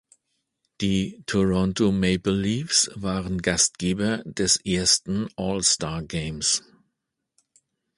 Die Toronto Maple Leafs waren Gastgeber des ersten All-Star Games.